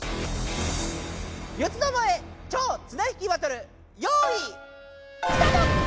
「四つどもえ超・綱引きバトル！」よいスタート！